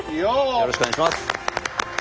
よろしくお願いします。